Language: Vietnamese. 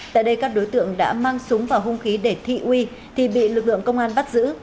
tại đây các đối tượng đã mang súng và hung khí để thị uy thì bị lực lượng công an bắt giữ